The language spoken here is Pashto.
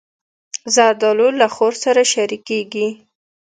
زردالو له خور سره شریکېږي.